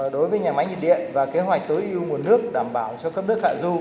đối với nhà máy nhiệt điện và kế hoạch tối ưu nguồn nước đảm bảo cho cấp nước hạ du